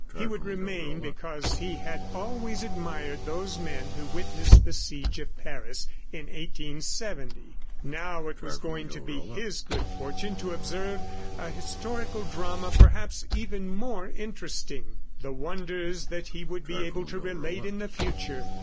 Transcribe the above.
He would remain because he had always admired those men who witnessed the Siege of Paris in 1870. Now it was going to be his good fortune to observe an historical drama, perhaps even more interesting. The wonders that he would be able to relate in the future!